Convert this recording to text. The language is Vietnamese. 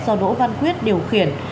do đỗ văn quyết điều khiển